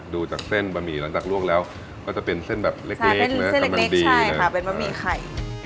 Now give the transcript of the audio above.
ดูจากเส้นบะหมี่หลังจากลวกแล้วก็จะเป็นเส้นแบบเล็กนะกำลังดีใช่ค่ะเป็นบะหมี่ไข่